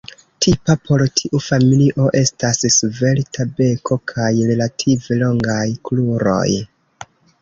Tipa por tiu familio estas svelta beko kaj relative longaj kruroj.